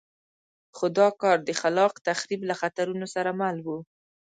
خو دا کار د خلاق تخریب له خطرونو سره مل وو.